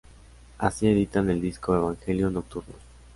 Así editan el disco "Evangelio Nocturno".